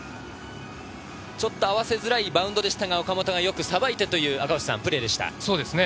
ちょっと合わせづらいバウンドでしたが、岡本がよくさばいたプレーでした。